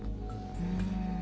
うん。